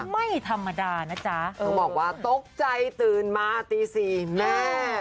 ไม่ธรรมดานะจ๊ะต้องบอกว่าตกใจตื่นมาตีสี่แม่